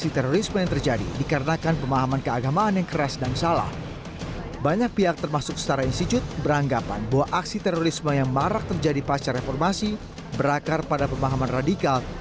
terorisme yang marak terjadi pasca reformasi berakar pada pemahaman radikal